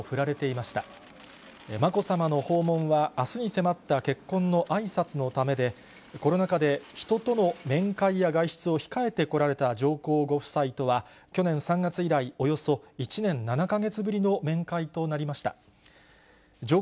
まこさまの訪問は、あすに迫った結婚のあいさつのためで、コロナ禍で人との面会や外出を控えてこられた上皇ご夫妻にとって去年３月以来、およそ１年７か月ぶりの面会となりました。